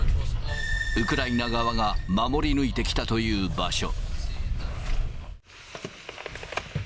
ウクライナ側が守り抜いてきたという場所。